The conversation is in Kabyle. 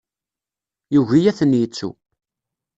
Yugi ad ten-yettu.